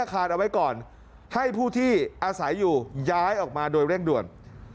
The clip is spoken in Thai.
อาคารเอาไว้ก่อนให้ผู้ที่อาศัยอยู่ย้ายออกมาโดยเร่งด่วน